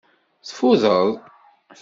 Tfudeḍ?